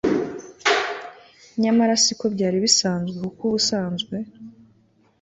nyamara siko byari bisanzwe Kuko ubusanzwe